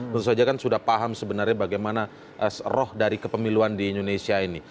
tentu saja kan sudah paham sebenarnya bagaimana roh dari kepemiluan di indonesia ini